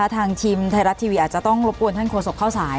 ทางทีมไทยรัฐทีวีอาจจะต้องรบกวนท่านโฆษกเข้าสาย